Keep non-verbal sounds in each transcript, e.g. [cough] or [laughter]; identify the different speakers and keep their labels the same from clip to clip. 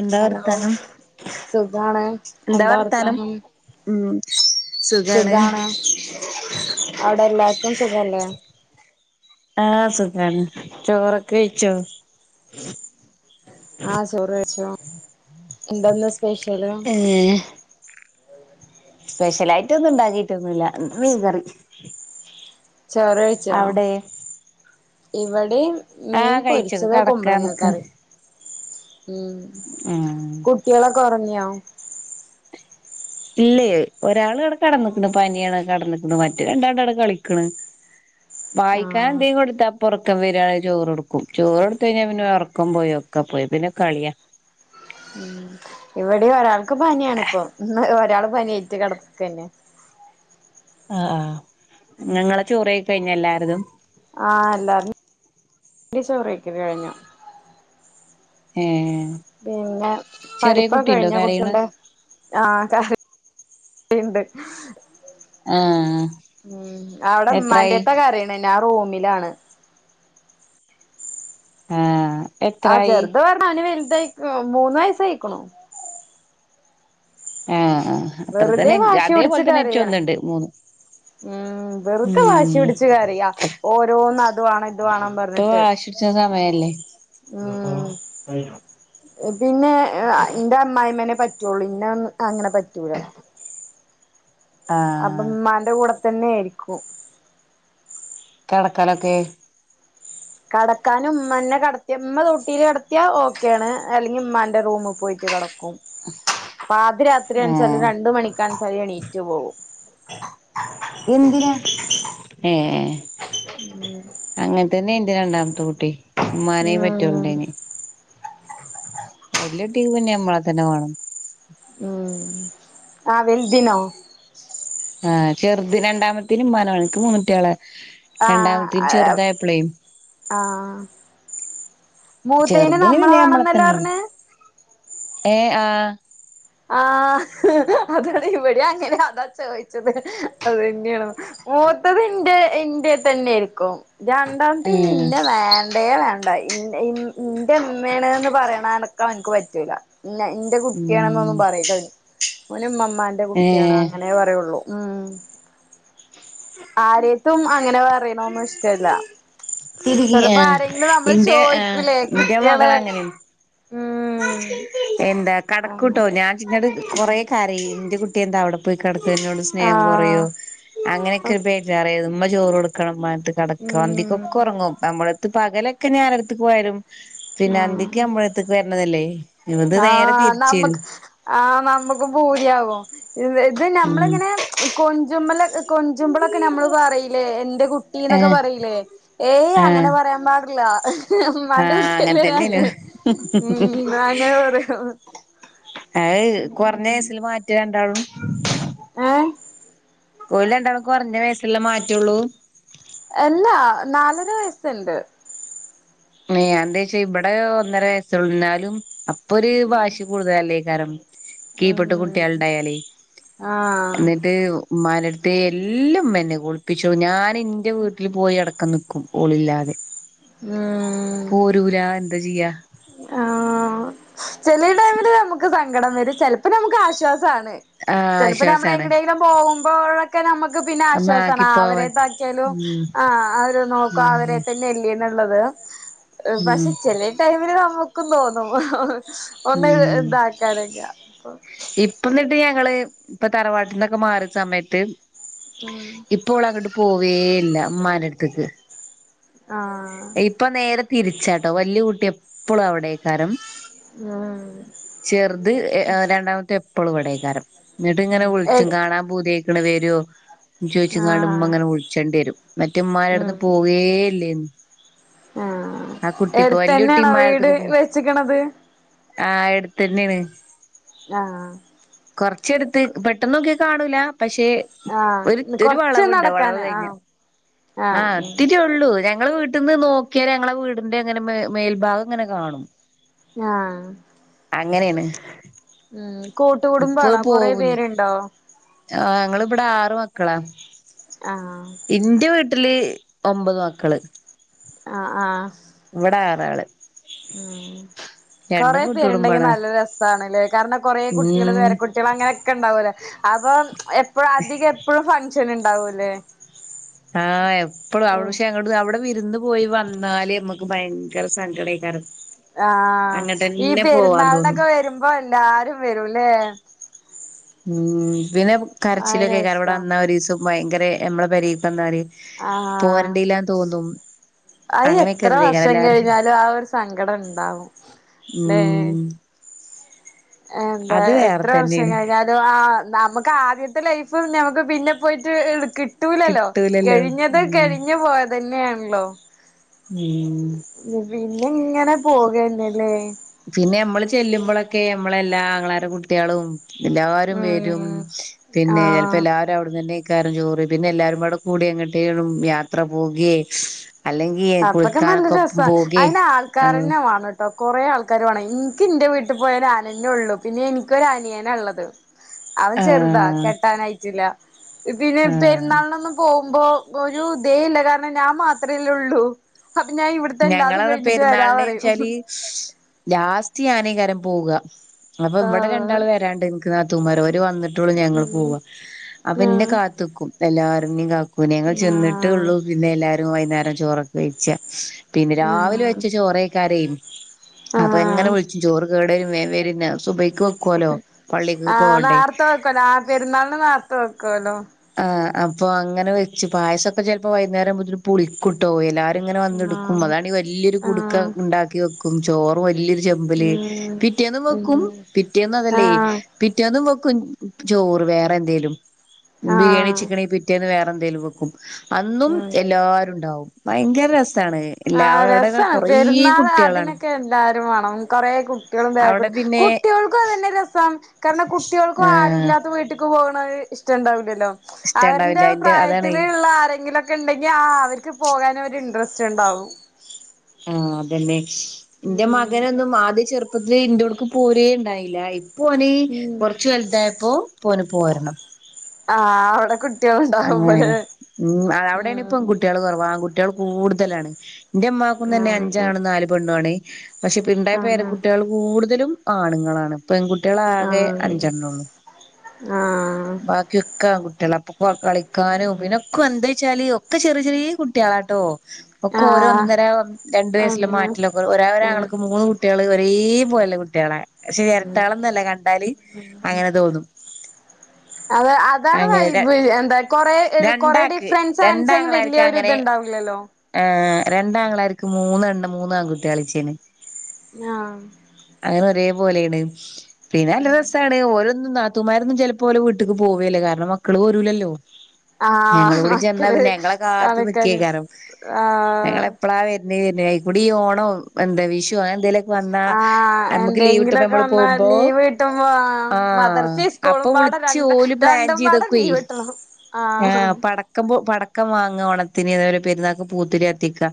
Speaker 1: എന്താ
Speaker 2: ഹലോ
Speaker 1: വർത്താനം?
Speaker 2: സുഖാണ്
Speaker 1: എന്താ വർത്താനം? ഉം
Speaker 2: സുഖാണ്. അവിടെല്ലാർക്കും സുഖല്ലേ?
Speaker 1: ആഹ് സുഖാണ്. ചോറൊക്കെ വെയ്ച്ചോ?
Speaker 2: ആഹ് ചോറ് കഴിച്ചു. എന്താന്ന് സ്പെഷ്യല്?
Speaker 1: ഏഹ്. സ്പെഷ്യലായിട്ടൊന്നും ണ്ടാക്കിട്ടൊന്നുല്ല. ഇന്ന് മീൻകറി.
Speaker 2: ചോറ് കഴിച്ചോ?
Speaker 1: അവിടെ
Speaker 2: ഇവടിം മീൻ
Speaker 1: ആഹ് കഴിച്ചു
Speaker 2: പൊരിച്ചത്
Speaker 1: കടക്കാൻ
Speaker 2: കുമ്പളങ്ങ കറി. ഉം
Speaker 1: ഏഹ്.
Speaker 2: കുട്ട്യേളൊക്കൊറങ്യോ?
Speaker 1: ഇല്ലേ. ഒരാള് വടെ കെടന്ന്ക്ണ് പനിയാണ് കെടന്ന്ക്ണ്. മറ്റേ രണ്ടാൾണ്ടവടെ കളിക്ക്‌ണ്. [inaudible] വായിക്കാൻ
Speaker 2: ആഹ്
Speaker 1: എന്തെലും കൊടുത്ത അപ്പ ഒറക്കം വരാണേൽ ചോറൊട്ക്കും. ചോറൊട്ത്തഴിഞ്ഞാ പിന്നെ വെ ഒർക്കം പോയോ ഒക്ക പോയി. പിന്നെ കളിയാ.
Speaker 2: ഉം ഇവടേം ഒരാൾക്ക് പനിയാണ്പ്പം. ഇന്ന് ഒരാൾ പനിയേയ്റ്റ് കെടക്കെന്നെ.
Speaker 1: ആഹ് ആഹ്. ന്നെ ങ്ങളെ ചോറയ്പ്പ് കയിഞ്ഞെല്ലാര്തും?
Speaker 2: ആഹ് എല്ലാരിം [unintelligible] ടി ചോറയ്ക്കല് കഴിഞ്ഞു.
Speaker 1: ഏഹ്.
Speaker 2: പിന്നെ,
Speaker 1: ചെറിയ
Speaker 2: പഠിപ്പൊക്കെ
Speaker 1: കുട്ടിയുണ്ടോ
Speaker 2: കഴിഞ്ഞൊ
Speaker 1: കരയണ
Speaker 2: കുട്ടിന്റെ? ആഹ് കരയിണ്ട്.
Speaker 1: ആഹ്
Speaker 2: ഉം അവടെ
Speaker 1: എത്രായി
Speaker 2: ഉമ്മാന്റെട്ത്താ കരയ്ണ് ഞാൻ റൂമിലാണ്.
Speaker 1: ഏഹ്.
Speaker 2: ആഹ് ചെറുത് പർഞ്ഞാ അവന് വല്തായ്ക്, മൂന്ന് വയസ്സായിക്ക്ണു.
Speaker 1: ഏഹ് ആഹ് അത്ര
Speaker 2: വെറുതെ
Speaker 1: തന്നെ
Speaker 2: വാശി
Speaker 1: അതേപോലതന്നെ ഇച്ചും ഒന്ന്‌ണ്ട് മൂന്ന്.
Speaker 2: ഉം ഉം. വെറുതെ വാശി
Speaker 1: ഉം
Speaker 2: പിടിച്ചു കരയാ ഓരോന്ന്‌ അത് വാണം ഇത് വാണം പർഞ്ഞിട്ട്.
Speaker 1: വാശി പിട്ച്ച്ണ സമയല്ലേ. ന്നെത്താ
Speaker 2: ഉം
Speaker 1: കയിഞ്ഞോ.
Speaker 2: പിന്നെ എഹ് ഇന്റെ അമ്മായിമ്മനെ പറ്റൊള്ളു ഇന്നൊന്ന് അങ്ങനെ പറ്റൂല. അപ്പം
Speaker 1: ആഹ്
Speaker 2: ഇമ്മാന്റെ കൂടെ തന്നേയിര്ക്കും.
Speaker 1: കെടക്കലൊക്കെ?
Speaker 2: കെടക്കാനും ഇമ്മന്നെ കെടത്തിയ ഇമ്മ തൊട്ടിലി കെടത്തിയാ ഓക്കേണ്. അല്ലെങ്കി ഇമ്മാന്റെ റൂമ് പോയിട്ട് കെട ക്കും. പാതിരാത്രിയാണ്ച്ചാലും
Speaker 1: ആഹ്
Speaker 2: രണ്ട് മണിക്കാണ്ച്ചാലും എണീറ്റ് പോവും.
Speaker 1: എന്തിന് ഏഹ്
Speaker 2: ഉം
Speaker 1: അങ്ങൻത്തന്നെ ന്റെ രണ്ടാമത്തെ കുട്ടി ഉമ്മാനേ പറ്റാെള്ളേനി വല്യുട്ടിക്ക്‌ പിന്നെ നമ്മളതന്നെ വാണം
Speaker 2: ഉം ആ വൽതിനോ
Speaker 1: ആഹ് ചെർതിനെ രണ്ടാമത്തീന് ഇമ്മാെവാണം ഇന്ക് മൂന്ന് കുട്ട്യേള് രണ്ടാമത്തീ ചെർതായപ്പളെ
Speaker 2: ആഹ് മൂത്തേന്
Speaker 1: ചെറുതിന്
Speaker 2: നമ്മള
Speaker 1: പിന്നെ നമ്മളെ
Speaker 2: വേണംന്നല്ലേ
Speaker 1: തന്നെ വേണം
Speaker 2: പർഞ്
Speaker 1: ഏഹ് ആഹ്
Speaker 2: ആഹ് അതാണ് ഇവിട്യേം അങ്ങനാ അതാ ചോയ്ച്ചത് അതന്യേന്ന്‌ മൂത്തത് ഇന്റെ ഇന്റെട്തന്നേയിരിക്കും രണ്ടാമത്തീന്
Speaker 1: ആഹ്
Speaker 2: ഇന്നേ വേൺ ണ്ടേ വേണ്ടേ ഇൻ ഇൻ ഇന്റെമ്മേണ്ന്ന് പറയേണടക്കം ഓന്ക്ക് പറ്റൂല ന്നെ ന്റെ
Speaker 1: ഉം
Speaker 2: കുട്ടിയാണ്ന്നൊന്നും പറയില്ലോനി ഓന് മ്മമ്മാന്റെ കുട്ട്യാണ് അങ്ങനെ പറയൊള്ളൂ ആഹ് ആരെയ്ത്തും അങ്ങനെ പറീണൊന്നും ഇഷ്ടല്ല
Speaker 1: തിന്നെ
Speaker 2: ചെലപ്പോ ആരെങ്കിലും നമ്മള്
Speaker 1: ഇന്റെ ഏ്
Speaker 2: ചോയിക്കൂലേ
Speaker 1: ഇന്റെ
Speaker 2: കുട്ടികള്
Speaker 1: മകളങ്ങനേണ്
Speaker 2: ഉം
Speaker 1: എന്താ
Speaker 2: അങ്ങനെ
Speaker 1: കടക്കൂട്ടോ ഞാൻ ഇങ്ങട് കൊറെ കരയും ന്റെ കുട്ടി എന്താ അവടെ പോയി കെടക്ക് ഇന്നോട് സ്നേഹം കൊറയോ
Speaker 2: ആഹ്
Speaker 1: അങ്ങനെയൊക്കെ ഒരു ബേജാറേന്നു ഇമ്മ ചോറ് കൊടുക്കണം മ്മാന്റത്ത് കെടക്കാ
Speaker 2: ഉം
Speaker 1: അന്തിക്കൊക്കെ ഒറങ്ങും നമ്മളട്ത്ത് പകലൊക്കെഞ ആരെട്ത്ത്ക്ക് പോയാലും പിന്നെ അന്തിക്ക്
Speaker 2: ആഹ്
Speaker 1: നമ്മളട്ത്ത്ക്ക് വരണംന്നല്ലേ ഇത് നേരെ
Speaker 2: ആഹ്
Speaker 1: തിരിച്ചെരും
Speaker 2: നമ്മക്ക് ആഹ് നമ്മുക്ക് പൂതിയാവും ഇത്
Speaker 1: ഉം
Speaker 2: നമ്മള്ങ്ങനെ കൊഞ്ചുമ്മലക് കൊഞ്ചുമ്പളൊക്കെ നമ്മള് പറയീലേ എന്റെ കുട്ടീന്നൊക്കെ
Speaker 1: ഏഹ്
Speaker 2: പറയീലേ ഏയ് അങ്ങനെ
Speaker 1: ആഹ്
Speaker 2: പറ പറയാൻ പാടില്ല മ്മാന്റെ കുട്ടി
Speaker 1: ഇതെക്കേനു
Speaker 2: അങ്ങനെ പറയും
Speaker 1: അഹ് കൊർഞ്ഞയ്സില് മാറ്റാ രണ്ടാളും
Speaker 2: ഏഹ്
Speaker 1: ഓല് രണ്ടാളും കൊർഞ്ഞ വയസ്ള്ള മാറ്റാെള്ളൂ
Speaker 2: അല്ലാ നാലര വയസ്ണ്ട്
Speaker 1: എഹ് എന്തായ്ച്ച ഇവടെ ഒന്നര വയസ്സാള്ളൂ ഇന്നാലും അപ്പൊ ഒര് വാശി കൂടുതലല്ലേക്കാരം കീപ്പട്ട്
Speaker 2: ഉം
Speaker 1: കുട്ട്യാള്ണ്ടായാലെ
Speaker 2: ആഹ്
Speaker 1: എന്നിട്ട് ഇമ്മാന്റെട്ത്തേ എല്ലുമ്മെന്നെ കുളിപ്പിച്ചും ഞാന് ഇന്റെ വീട്ടില് പോയി അടക്കം നിക്കും ഓളില്ലാതെ
Speaker 2: ഉം
Speaker 1: പോരൂലാ എന്ത ചെയ്യാ
Speaker 2: ആഹ് ചേലെ ന്ന് നമുക്ക് സങ്കടം വരും ചെലപ്പോ നമുക്ക് ആശ്വാസാണ്
Speaker 1: ആ
Speaker 2: ചെൽപ്പെ നമ്മള്
Speaker 1: ആശ്വാസാണ്
Speaker 2: എങ്ടേങ്കിലും പോകുമ്പോഴൊക്കെ ഞമ്മക്ക് പിന്നെ
Speaker 1: ഒന്ന്
Speaker 2: ആശ്വാസാണ്
Speaker 1: ആക്കിപ്പോവാൻ
Speaker 2: അവരെതാക്കിയാലും
Speaker 1: ഉം
Speaker 2: ആഹ് അവര് നോക്കും അവരെ തെ
Speaker 1: ഉം
Speaker 2: ന്നേന്ന്ള്ളത് പക്ഷെ ചെലേ ടൈമില് നമ്മക്കും തോന്നും ഒന്ന് ഇതാക്ക്ണേക്കാ
Speaker 1: ഇപ്പന്നിട്ട് ഞങ്ങള് ഇപ്പൊ തറവാട്ട്ന്നൊക്കെ മാറിയ സമയത്ത്
Speaker 2: ഉം
Speaker 1: ഇപ്പോളങ്ങട്ട് പോവേയില്ല ഉമ്മാന്റാട്ത്ത്ക്ക്
Speaker 2: ആ.
Speaker 1: ഇപ്പ നേരെ തിരിച്ചാട്ടോ. വല്യ കുട്ടി എപ്പോളു അവിടേക്കാരം.
Speaker 2: അ.
Speaker 1: ചെറുത് രണ്ടാമത്തെ എപ്പളു ഇവിടേക്കാരം. എന്നിട്ട് ഇങ്ങനെ
Speaker 2: ഉം
Speaker 1: വിളിച്ചും
Speaker 2: എട്
Speaker 1: കാണാൻ പൂതിയായിട് മക്കൾ വേരോ ചോദിച്ചുങ്ങണ് ണ്ടു ഉമ്മ
Speaker 2: ആഹ്
Speaker 1: ഇങ്ങനെ വിളിച്ചേണ്ടി വരും. മറ്റ് ഉമ്മാന്റെ ടുത്തു
Speaker 2: ഉം
Speaker 1: പോവേല്ലേനും.
Speaker 2: ആഹ്
Speaker 1: ആ, കുട്ടിപ്പോ
Speaker 2: എടുത്തന്നെയാണോ വീട്
Speaker 1: വല്യകുട്ടിമ്മാന്റെടുത്തേക് പോവും
Speaker 2: വെച്ചിക്കണത്
Speaker 1: ആ എടുത്തന്നെയാണ്.
Speaker 2: ആ.
Speaker 1: കൊറച്ചെടുത്ത് പെട്ടെന്നോക്കിയ കാണൂല പക്ഷേ ഒരു
Speaker 2: ആഹ്
Speaker 1: ഒരു
Speaker 2: കൊറച്ച്
Speaker 1: വളവുണ്ട്. വളവ്
Speaker 2: നടക്കാന്
Speaker 1: കഴിഞ്ഞ.
Speaker 2: ആഹ്
Speaker 1: ആ,
Speaker 2: ആഹ്
Speaker 1: ഇ
Speaker 2: ഉം
Speaker 1: ത്തിരിയെള്ളൂ. ര ഇങ്ങളെ വീട്ടിന്ന് നോക്കിയാല് ഞങ്ങളെ വീടിന്റെ ഇങ്ങനെ മേ മേൽഭാഗം ഇങ്ങനെ കാണും.
Speaker 2: ആ.
Speaker 1: അങ്ങനെയാണ്.
Speaker 2: കൂട്ടുകുടുംബണോ? കൊറേ പേരുണ്ടോ?
Speaker 1: ആ, ഞങ്ങളിവിടെ ആറ് മക്കളാ.
Speaker 2: ആ.
Speaker 1: ഇന്റെ വീട്ടില് ഒമ്പത് മക്കൾ.
Speaker 2: ആ, ആ.
Speaker 1: ഇവിടെ ആറാള്. രണ്ടും
Speaker 2: കൊറേ പേര്ണ്ടെങ്കി
Speaker 1: കൂട്ടുകുടുംബാണ്
Speaker 2: നല്ല രസാണല്ലേ? കാരണം കൊറേ കുട്ടിയള്
Speaker 1: ഉം
Speaker 2: പേരകുട്ടി കുട്ടികളൊക്കെ അങ്ങനെയൊക്കെണ്ടാവൂലേ? അപ്പോ എപ്പോയും അധിക എപ്പോയും ഫങ്ഷനുണ്ടാവൂലേ?
Speaker 1: ആ, എപ്പളും. അവിടെ പക്ഷേ അവിടെ വിരുന്നും പോയി വന്നാല് നമ്മക്ക് ഭയങ്കര സങ്കടകേരം.
Speaker 2: ആ,. ഈ
Speaker 1: തോന്നും
Speaker 2: പെരുന്നാളിനൊക്കെ വരുമ്പോ എല്ലാരും വരൂല്ലേ?
Speaker 1: ഉം. പിന്നെ കരച്ചില
Speaker 2: അത്
Speaker 1: കേക്കരം ഇവിടെ
Speaker 2: രസാ
Speaker 1: വന്നാ ഒരു ദിവസം ഭയങ്കര നമ്മളെ പേരെക്കു വ ന്നാല്
Speaker 2: ആഹ്
Speaker 1: പോരണ്ടേല്ലാന്ന് തോന്നും.
Speaker 2: അത്
Speaker 1: അങ്ങനെയൊക്കെ
Speaker 2: എത്ര
Speaker 1: ഇതേക്കാരം
Speaker 2: വർഷം
Speaker 1: എല്ലാരും
Speaker 2: കഴിഞ്ഞാലും ആ ഒരു സങ്കടം ഉണ്ടാവും ല്ലേ.
Speaker 1: ഉം
Speaker 2: എന്താ
Speaker 1: അത് വേറെ
Speaker 2: എത്ര വർഷം
Speaker 1: തന്നേണ്
Speaker 2: കഴിഞ്ഞാൽ ആ, നമ്മുക്ക് ക്ക് ആദ്യത്തെ ലൈഫ് ഞമക്ക് പിന്നെ പോയിട്ട് എടുക്ക് കിട്ട കിട്ടൂലല്ലോ, കഴിഞ്ഞത് കഴിഞ്ഞു പോയതന്നെയാണല്ലോ.
Speaker 1: ഉം.
Speaker 2: പിന്നെ ഇങ്ങനെ പോകന്നല്ലേ.
Speaker 1: പിന്നെ ഇമ്മൾ ചെല്ലുമ്പോളൊക്കെ ഇമ്മ ളെ എല്ലാ ആങ്ങളരെ കുട്ടികളും എല്ലാരും വരും.
Speaker 2: ഉം
Speaker 1: പിന്നെ ചിലപ്പോ
Speaker 2: ആഹ്
Speaker 1: എല്ലാരും അവിടുന്നെന്നെ കാരം ചോറ്. പിന്നെ എല്ലാരും പടെ കൂടിങ്ങട്ടേലും യാത്ര പോകെ അല്ലെങ്കി
Speaker 2: അപ്പൊക്കെ നല്ല
Speaker 1: കുളിക്കാനൊക്കെ
Speaker 2: രസ
Speaker 1: ഒപ്പം പോകേ
Speaker 2: അയിന്
Speaker 1: ആഹ്
Speaker 2: ആൾക്കാരന്നെ വേണംട്ടോ കുറെ ആൾക്കാർ വേണം. എനിക്ക് എന്റെ വീട്ടിൽ പോയ ഞാൻ ത ന്നെ ഉള്ളു. പിന്നെ എനിക്കൊര അനിയന ഉള്ളത്. അവൻ ചെറുതാ
Speaker 1: ആഹ്
Speaker 2: കെട്ടാനായിട്ടില്ല. പിന്നെ ഈ
Speaker 1: ആഹ്
Speaker 2: പെരുന്നാളിനൊന്നും പോകുമ്പോ ഒരു ദെയ് ഇല്ല. കാരണം ഞാൻ മാത്രേല്ലേ ഉള്ളൂ. അപ്പോ ഞാൻ ഇവിടത്തെ എല്ലാതും
Speaker 1: ഞങ്ങളത്
Speaker 2: കഴിഞ്ഞിട്ട് വരാ
Speaker 1: പെരുന്നാളിന്
Speaker 2: പറയും.
Speaker 1: വെച്ചാല് ലാസ്റ്റ് ഞാനീകരം പോവുക. അപ്പോ ഇവിടെ
Speaker 2: ആഹ്
Speaker 1: രണ്ടാൾ വ രണ്ട് എ നിക്ക് നാത്തുന്മാര അവര് വന്നിട്ടുള്ളൂ. ഞങ്ങള്
Speaker 2: ഉം
Speaker 1: പോവാ. അപ്പോ ഇന്നെ
Speaker 2: ആഹ്
Speaker 1: കാത്ത്ക്കും. എല്ലാരും ഇന്നെയും കക്കൂനെയും ഞങ്ങൾ ചെന്നിട്ട് ഉള്ളൂ പിന്നെ എല്ലാരും വൈകുന്നേരം ചോറൊക്കെ വെയിച്ച. പിന്നെ
Speaker 2: ആഹ്
Speaker 1: രാവിലെ
Speaker 2: ആഹ്
Speaker 1: വെച്ച ചോറേക്കാരം. അപ്പോ ഇ ങ്ങനെ
Speaker 2: ആഹ്
Speaker 1: വിളിച്ചും ചോറ് കേടരും വേഗം വരിന്ന സുബയ്ക്ക് വെക്കുവല്ലോ. പള്ളിക്ക്ക്കൊക്കെ പോവണ്ടേ.
Speaker 2: ക്കതാ പെര്ന്നാൾന് ന്നേർത്തെ വെക്കോലോ.
Speaker 1: ആഹ് അപ്പൊ അങ്ങനെ വെച്ച് പായസൊക്കെ ചെലപ്പോ വൈന്നേരാവുമ്പത്തിനും പുളി കുട്ടോവേല എല്ലാരും ഇങ്ങനെ വന്ന്ട്ക്കും
Speaker 2: ആഹ്
Speaker 1: അതാണെങ്കി വല്ല്യൊരു കുടുക്ക
Speaker 2: ആഹ്
Speaker 1: ഇണ്ടാക്കി വെക്കും. ചോറ് വല്യൊരു ചെമ്പില്
Speaker 2: ഉം
Speaker 1: പിറ്റേന്നും വെക്കും.
Speaker 2: ഉം
Speaker 1: പിറ്റേന്ന് അതെല്ലേയ്
Speaker 2: ആഹ്
Speaker 1: പിറ്റേന്നും വെക്കും ചോറ് വേറെ എന്തേലും. ബിരിയാണി
Speaker 2: ആഹ്
Speaker 1: ചിക്കണി പിറ്റേന്ന് വേറെന്തേലും വെക്കും അന്നും
Speaker 2: ഉം
Speaker 1: എല്ലാ ഉണ്ടാവും ഭയങ്കര രസാണ്. എല്ലാ
Speaker 2: ആഹ്
Speaker 1: അവിടെക്കെ
Speaker 2: രസാണ്
Speaker 1: കൊറേ
Speaker 2: പെരുന്നാള്
Speaker 1: കുട്ടികളാണ്
Speaker 2: അതിനൊക്കെ എല്ലാരും വേണം കൊറെ കുട്ട്യേളും
Speaker 1: അവിടെ
Speaker 2: ബാഗൊക്ക്‌ട് കുട്ട്
Speaker 1: പിന്നെ
Speaker 2: കുട്ട്യേൾക്കും അത് തനെ രെസം കാരണം കുട്ട്യേൾക്കും ആരും
Speaker 1: ഏഹ്
Speaker 2: ഇല്ലാത്ത വീട്ട് ക്ക് പോവ്ണത് ഇഷ്ട്ടണ്ടാവില്ലലൊ
Speaker 1: ഇഷ്ടണ്ടാവില്ല
Speaker 2: അവര്ന്റെ
Speaker 1: അയിന്റെ അതാണ്
Speaker 2: പ്രായത്തില്ള്ള ആരെങ്കിലൊക്കെ ഇണ്ടെങ്കി ആ അവര്ക്ക് പോവാനൊര് ഇൻട്രെസ്റ്റ്ണ്ടാവും.
Speaker 1: ആഹ് അതെനെയ് എന്റെ
Speaker 2: ഉം
Speaker 1: മകനൊന്നും ആദ്യം ചെർ രെ ഇന്റോട്ക്ക്‌ പോരേ ഇണ്ടായില ഇപ്പോന്
Speaker 2: ഉം
Speaker 1: കൊറച്ച് വെൽതായപ്പോ ഇപ്പോന് പോരണം.
Speaker 2: ആഹ് അവടെ കുട്ട
Speaker 1: അങ്ങനെ ഉം അത അവടയ്ന്
Speaker 2: ഉം
Speaker 1: പെൺകുട്ടികള് കുറവാ ആൺകുട്ടി കള് കൂട്തലാണ് എന്റെ ഉമ്മാക്കും തനെ
Speaker 2: ആഹ്
Speaker 1: അഞ്ചാണും നാല് പെണ്ണു ആണ് പഷേപ്പ് ഇണ്ടായ
Speaker 2: ആഹ്
Speaker 1: പേരക്കുട്ടികൾ കൂടുതലും ആണുങ്ങളാണ്. പെൺകുട്ടികളെ ആകെ
Speaker 2: ആഹ്
Speaker 1: അഞ്ചണ്ണേള്ളൂ
Speaker 2: ആഹ്
Speaker 1: ബാക്കിയൊക്കെ ആൺ കുട്ടികള കളിക്കാനും പിനൊക്കെന്തെയ്ച്ചാല് ഒക്കെ ചെറിയ ചെറിയ കുട്ട്യേളാട്ടോ ഒക്കൊ ഓരോ
Speaker 2: ആഹ്
Speaker 1: ഒന്നര രണ്ടു വയസ്സിലെ
Speaker 2: ഒന്ന്
Speaker 1: മാറ്റിലൊക്കൊ ഒരാ
Speaker 2: ആഹ്
Speaker 1: ഒരാങ്ങൾക്ക് മൂന്ന് കുട്ട്യേള് ഒരേ പോലെ കുട്ട്യേളാ പക്ഷെ എരട്ടകളൊന്നല്ല കണ്ടാല് അങ്ങനെ തോന്നും.
Speaker 2: അത അതാണ്
Speaker 1: അങ്ങനെ
Speaker 2: വൈബ് എന്താ കൊറേ ഇത് കൊറെ
Speaker 1: രണ്ടാക്ക്
Speaker 2: ഡിഫ്രെൻസ് ആൻച്ചെങ്ങെ വെല്യെ ഒര്ത്ണ്ടാവില്ലല്ലോ?
Speaker 1: ഏ രണ്ടാങ്ങളാര്ക്ക്‌ മൂന്നെണ്ണ മൂന്ന ആൺകുട്ട്യേളെയ്ച്ചേന്
Speaker 2: ആഹ്
Speaker 1: അങ്ങനെ ഒരേ പോലേണ് പിനെ നല്ലരസാണ് ടെ ഓരൊന്നും നാത്തുമാരൊന്നും ചെലപ്പൊ ഓലെ വീട്ട്ക്ക് പോവേല്ല കാരണം മക്കള് പോരൂലല്ലോ? ഞങ്ങളു
Speaker 2: ആഹ്
Speaker 1: കൂടി ചെന്നാ
Speaker 2: മക്കള്
Speaker 1: പിനെ ഞങ്ങളെ കാത്ത്
Speaker 2: കളിക്കാന്
Speaker 1: ന്നിക്കേയ്ക്കാരം
Speaker 2: ആഹ്
Speaker 1: ഞങ്ങളെപ്പളാ വെര് വെര്ന് അയ്കുടി ഈ ഓണോം. എന്താ വിഷോ അങ്ങനെന്തേലൊക്കെ വന്നാ
Speaker 2: ആഹ്
Speaker 1: നമ്മക്ക് ലീവ്കിട്ടുമ്പൊ
Speaker 2: എന്തെങ്കിലൊക്കെ
Speaker 1: നമ്മള്
Speaker 2: വന്നാ
Speaker 1: പോവുമ്പോ
Speaker 2: ലീവ് കിട്ടുമ്പോ ആഹ്
Speaker 1: ആഹ
Speaker 2: മദർസിം
Speaker 1: അപ്പൊ
Speaker 2: സ്കൂളും പാടെ
Speaker 1: വിളിച്ച്
Speaker 2: രണ്ട്
Speaker 1: ഓല് പ്ലാൻ
Speaker 2: രണ്ടും പാടെ
Speaker 1: ചെയ്തൊക്കേ.
Speaker 2: ലീവ് കിട്ടണം ആഹ്
Speaker 1: ആഹ പട- ക്കപോ പടക്കം വാങ്ങ ഓണത്തിന് അതെപോലെ പെരുന്നാക്ക് പൂത്തിരി കത്തിക്കാ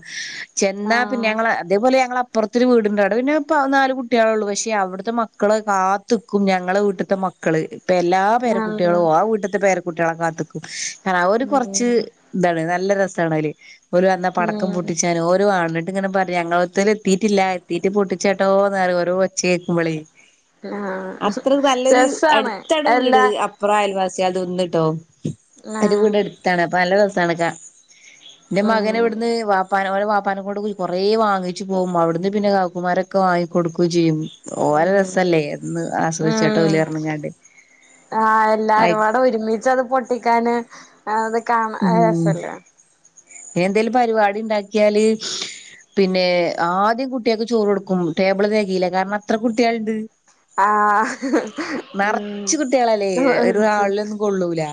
Speaker 1: ചെന്നാ പിനെ
Speaker 2: ആഹ്
Speaker 1: ഞങ്ങളെ ഇതേപോലെ ഞങ്ങളെ അപ്പർത്തൊരു വീടുണ്ട് അവടെ പിനെ പ്പ ന്നാല് കുട്ടികളെഒള്ളു പഷേ അവ്ട്ത്ത മക്കള് കാത്ത് ത്ത്ക്കും ഞങ്ങളെ വീട്ട്ത്തെ മക്കള്. ഇപ്പെല്ലാ
Speaker 2: ആഹ്
Speaker 1: പേരക്കുട്ടികളും ആ വീട്ട്ത്തെ പേരക്കുട്ടികളെ കാത്ത്ക്കും കാരണം അവര് കൊറച്ച്
Speaker 2: ഉം
Speaker 1: ഇതാണ് നല്ല രസാണ് അവര് ഓര് വന്നാ പടക്കം
Speaker 2: ഉം
Speaker 1: പൊട്ടിച്ചാനും ഓരോ ആണ്- ഇങ്ങനെ പറയും ഞങ്ങളോട്ത്തോര് എത്തിയിറ്റില്ല എത്തിട്ട് പൊട്ടിച്ചാട്ടോന്ന് പറയും ഓരോടെ ഒച്ചകേക്കുമ്പളെ. കേൾക്കുമ്പോളേ.
Speaker 2: ആഹ്
Speaker 1: അത്രേം നല്ലൊരു
Speaker 2: രസാണ്
Speaker 1: അടുത്താണ് വീട്
Speaker 2: എല്ലാ
Speaker 1: അപ്- ഇവടെ അയൽവാസിയെൾടെ എന്നുട്ടും അത്
Speaker 2: ആഹ്
Speaker 1: ഇവടെ എടുത്താണ് അപ്പ നല്ല രസാണ് ക- എന്റെ
Speaker 2: ഉം
Speaker 1: മകന്വ്ട്ന്ന് വാപ്- ഉപ്പാനകൊണ്ടും വാപ്പാനെ കൊണ്ടും കൊറേ വാങ്ങിച്ചു പോവുമ്പൊ അവിട്ന്ന് പിന്നെ വൈകുന്നേരൊക്കെ വാങ്ങികൊടുക്കും ചെയ്യും. ഓരെ
Speaker 2: ഉം
Speaker 1: രെസല്ലേ എന്ന് ആസ്വദിച്ചോട്ടെ ഓല്
Speaker 2: ഉം
Speaker 1: പറഞ്ങ്ങാണ്ട് ആയ്-
Speaker 2: ഒരുമിച്ചത് പൊട്ടിക്കാന് അത് കാണ ഒര് രസല്ലേ?
Speaker 1: എന്തെേലും പരിപാടി ഇണ്ടാക്കിയാല് പിന്നെ ആദ്യം കുട്ട്യാക്ക് ചോറ് കൊടുക്കും ടേബിൾ തെകയില്ല കാരണം അത്ര കുട്ട്യാള്ണ്ട്
Speaker 2: ആഹ്
Speaker 1: നറച്ച്
Speaker 2: ഉം
Speaker 1: കുട്ടികളല്ലേ ഒരു ഹാളിലൊന്നും കൊള്ളൂല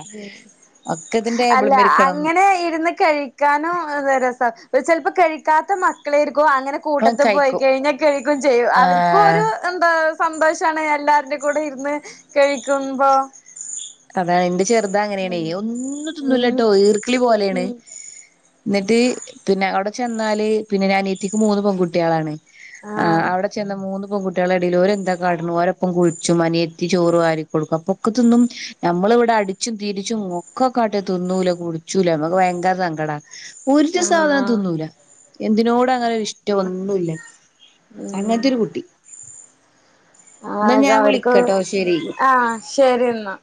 Speaker 1: ഒക്കെ ഇതിന്റെ
Speaker 2: അല്ല
Speaker 1: ടേബിളുമ്മെ ഇരിക്കണം
Speaker 2: അങ്ങനെ ഇരുന്ന് കഴി കഴിക്കാനും രസാ ചിലപ്പോ കഴിക്കാത്ത മക്കളേരിക്കും അങ്ങനെ
Speaker 1: മക്കളും
Speaker 2: കൂട്ടത്ത് പോയി
Speaker 1: കഴിക്കും
Speaker 2: കഴിഞ്ഞാൽ കഴിക്കും ചെയ്യും അവർക്കും
Speaker 1: ആഹ്
Speaker 2: ഒരു എന്താ സന്തോഷാണ് എല്ലാര്ടെ കൂടെ ഇരുന്ന് കഴിക്കുമ്പോ
Speaker 1: അതാ എന്റെ ചെറുതാ അങ്ങനേണെ
Speaker 2: ഉം
Speaker 1: ഒന്നും
Speaker 2: ഉം
Speaker 1: തിന്നൂലട്ടോ ഈർക്കിളി പോലേണ്
Speaker 2: ഉം
Speaker 1: എന്നിട്ട് പിന്നെ അവിടെ ചെന്നാല് പിന്നെ അനിയത്തിക്ക് മൂന്ന് പെൺകുട്ട്യാളാണ് ആഹ് അവടെ ചെന്ന മൂന്ന് പെൺ കുട്ട്യാളെ ഇടേല് ഓരെന്താ കാട്ട്ണ് ഓരൊപ്പം കുളിച്ചും അനിയത്തി ചോറു വാരി കൊടുക്കും അപ്പക്കത്തൊന്നും നമ്മള് ഇവിടെ അടിച്ചും തിരിച്ചും ഒക്കെക്കാട്ടെ തിന്നൂലേ കുടിച്ചൂലെ നമ്മക്ക് ഭയങ്കര സങ്കടാ ഒരു സാധനം
Speaker 2: ആഹ്
Speaker 1: തിന്നൂല എന്തിനോട് അങ്ങനെ ഇഷ്ടമൊന്നും ഇല്ല
Speaker 2: ഉം
Speaker 1: അങ്ങൻത്തൊരു കുട്ടി എന്നാ
Speaker 2: ആക
Speaker 1: ഞാൻ
Speaker 2: അവർക്ക്
Speaker 1: വിളിക്കട്ടോ ശരി
Speaker 2: ആഹ ശരിന്നാ